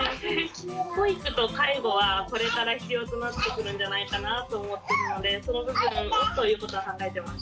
保育と介護はこれから必要となってくるんじゃないかなと思ってるのでその部分をということは考えてます。